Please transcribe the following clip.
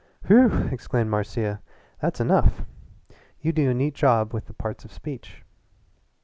"Whew!" exclaimed Marcia. "That's enough! You do a neat job with the parts of speech."